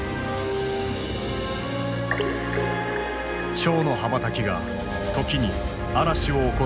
蝶の羽ばたきが時に嵐を起こすことがある。